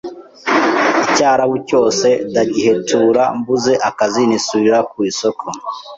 Icyarabu cyose dagihetura mbuze akazi nisubirira ku isoko.